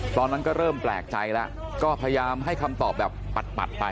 ตอนนั้นก็เริ่มแปลกใจแล้วก็พยายามให้คำตอบแบบปัดไป